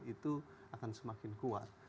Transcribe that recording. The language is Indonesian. itu akan semakin kuat